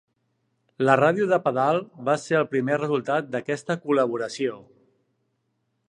La ràdio de pedal va ser el primer resultat d'aquesta col·laboració.